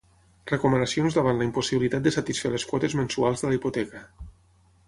Recomanacions davant la impossibilitat de satisfer les quotes mensuals de la hipoteca.